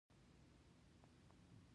د متلونو په شالید کې کیسې او پېښې شته